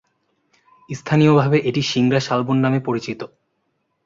স্থানীয়ভাবে এটি সিংড়া শালবন নামে পরিচিত।